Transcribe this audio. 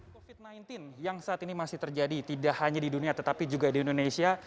covid sembilan belas yang saat ini masih terjadi tidak hanya di dunia tetapi juga di indonesia